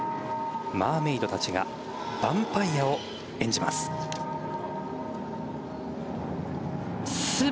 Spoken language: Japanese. マーメイドたちがバンパイアを演じます。